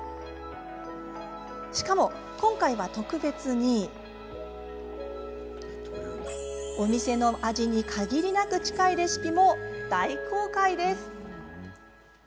しかも、今回は特別にお店の味に限りなく近いレシピも大公開です。